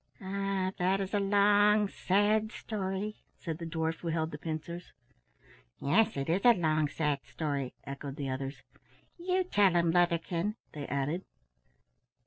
"Ah! that is a long, sad story," said the dwarf who held the pincers. "Yes, it is a long, sad story," echoed the others. "You tell him, Leatherkin," they added.